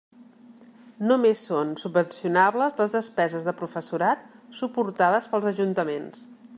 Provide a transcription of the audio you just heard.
Només són subvencionables les despeses de professorat suportades pels ajuntaments.